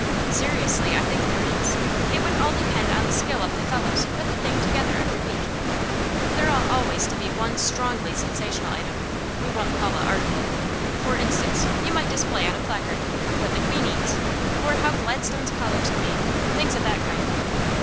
'Seriously, I think there is. It would all depend on the skill of the fellows who put the thing together every week. There ought always to be one strongly sensational item we won't call it article. For instance, you might display on a placard: "What the Queen eats!" or "How Gladstone's collars are made!" things of that kind.